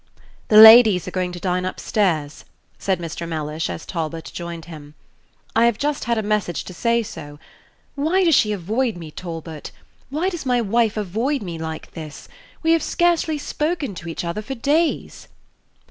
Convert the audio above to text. "The ladies are going to dine up stairs," said Mr. Mellish, as Talbot joined him. "I have just had a message to say so. Why does she avoid me, Talbot? Why does my wife avoid me like this? We have scarcely spoken to each other for days."